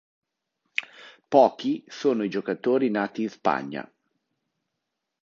Pochi sono i giocatori nati in Spagna.